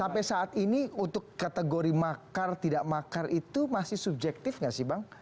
sampai saat ini untuk kategori makar tidak makar itu masih subjektif nggak sih bang